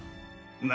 何？